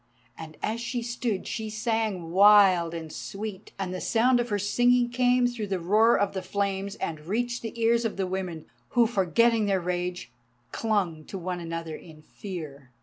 And as she stood she sang wild and sweet, and the sound of her singing came through the roar of the flames and reached the ears of the women, who, forgetting their rage, clung to one another in fear.